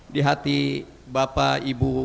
di hati bapak ibu